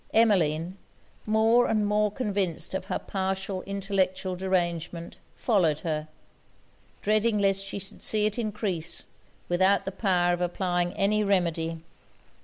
Emmeline, more and more convinced of her partial intellectual derangement, followed her, dreading lest she should see it encrease, without the power of applying any remedy.